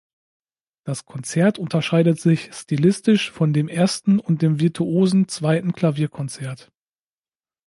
Das Konzert unterscheidet sich stilistisch von dem ersten und dem virtuosen zweiten Klavierkonzert.